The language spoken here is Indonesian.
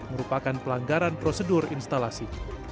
merupakan pelanggaran prosedur instalasi